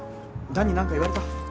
弾に何か言われた？